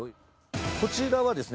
こちらはですね